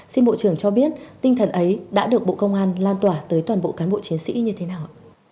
xin bộ trưởng cho biết tinh thần ấy đã được bộ công an lan tỏa tới toàn bộ cán bộ chiến sĩ như thế nào